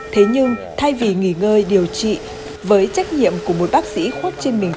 thế nhưng thay vì nghỉ ngơi điều trị với trách nhiệm của một bác sĩ khuất trên mình